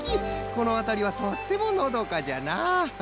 このあたりはとってものどかじゃな。